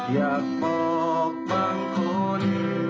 อยากบอกบางคน